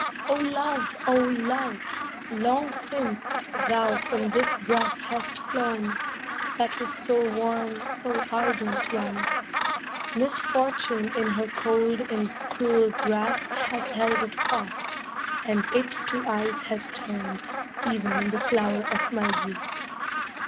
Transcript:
O love, O love, long since, thou from this breast Hast flown, that was so warm, so ardent, once. Misfortune in her cold and cruel grasp Has held it fast, and it to ice has turned, E'en in the flower of my youth.